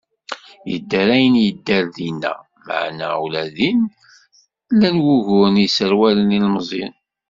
Yedder ayen yedder dinna, meɛna ula din, llan wuguren i yesserwalen ilmezyen.